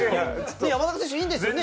山中さん、いいですよね？